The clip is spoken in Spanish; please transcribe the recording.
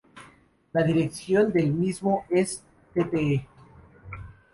La dirección del mismo es Tte.